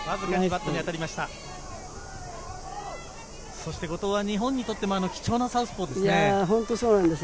そして後藤は日本にとっても貴重なサウスポーですよね。